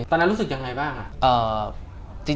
ตอนนั้นรู้สึกยังไงบ้าง